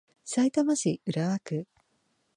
さいたま市浦和区